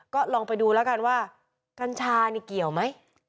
ก็ลองไปดูแล้วกันว่ากัญชานี่เกี่ยวไหม